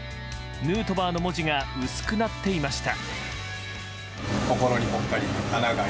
ヌートバーの文字が薄くなっていました。